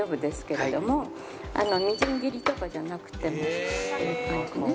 みじん切りとかじゃなくてもうこんな感じね。